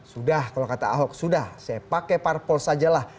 sudah kalau kata ahok sudah saya pakai parpol sajalah